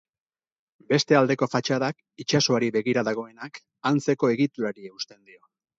Beste aldeko fatxadak, itsasoari begira dagoenak, antzeko egiturari eusten dio.